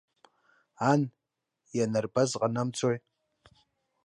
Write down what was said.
Ан ианарбаз ҟанамҵои.